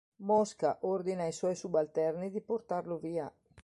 Mosca ordina ai suoi subalterni di portarlo via.